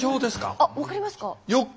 あっ分かりますか？